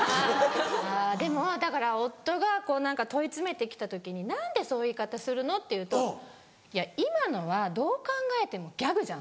でもだから夫が何か問い詰めて来た時に「何でそういう言い方するの？」って言うと「いや今のはどう考えてもギャグじゃん。